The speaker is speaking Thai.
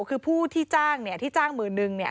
คือผู้ที่จ้างเนี่ยที่จ้างหมื่นนึงเนี่ย